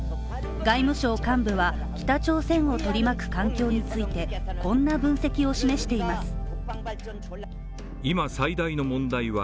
外務省幹部は北朝鮮を取り巻く環境についてこんな分析を示しています。